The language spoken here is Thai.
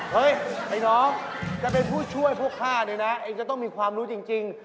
เฮ้ยไอ้น้องจะเป็นผู้ช่วยพวกข้าเนี่ยนะเองจะต้องมีความรู้จริง